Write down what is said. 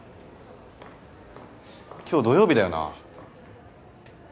今日土曜日だよな？